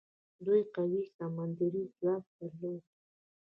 دوی قوي سمندري ځواک درلود.